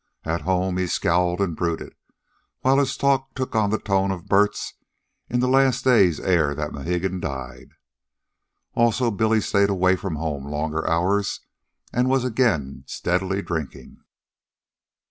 At home, he scowled and brooded, while his talk took on the tone of Bert's in the last days ere that Mohegan died. Also, Billy stayed away from home longer hours, and was again steadily drinking.